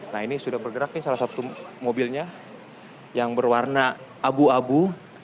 nah ini sudah bergerak nih salah satu mobilnya yang berwarna abu abu